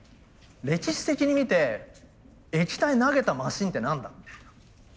歴史的に見て液体投げたマシンって何だみたいな。